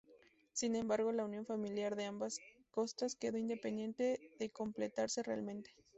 Sin embargo la unión final de ambas costas quedó pendiente de completarse realmente.